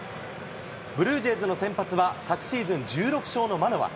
ブルージェイズの先発は、昨シーズン１６勝のマノア。